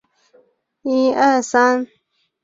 个展于台北春之艺廊。